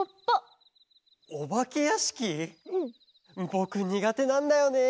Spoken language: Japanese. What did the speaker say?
ぼくにがてなんだよね。